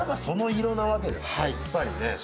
その色なわけですね。